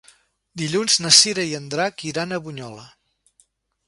Dilluns na Cira i en Drac iran a Bunyola.